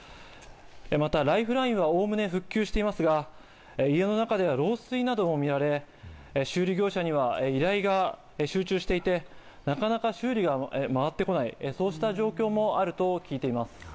また、ライフラインはおおむね復旧していますが、家の中では漏水なども見られ、修理業者には依頼が集中していて、なかなか修理が回ってこない、そうした状況もあると聞いています。